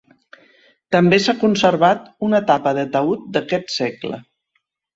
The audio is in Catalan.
També s'ha conservat una tapa de taüt d'aquest segle.